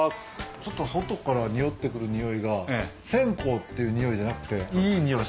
ちょっと外からにおってくるにおいが線香っていうにおいじゃなくていい匂い。